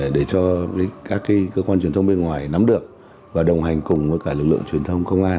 để cho các cơ quan truyền thông bên ngoài nắm được và đồng hành cùng với cả lực lượng truyền thông công an